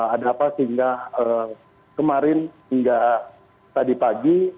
ada apa sehingga kemarin hingga tadi pagi